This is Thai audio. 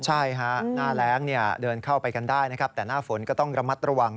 ใช่ฮะหน้าแรงเดินเข้าไปกันได้นะครับแต่หน้าฝนก็ต้องระมัดระวัง